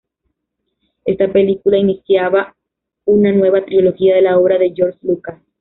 Esta película iniciaba una nueva trilogía de la obra de George Lucas.